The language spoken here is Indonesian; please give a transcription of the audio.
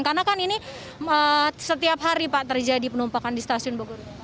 karena kan ini setiap hari pak terjadi penumpakan di stasiun bogor